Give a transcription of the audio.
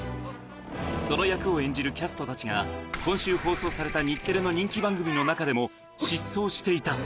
その役を演じるキャストたちが、今週放送された日テレの人気番組の中でも失踪していた。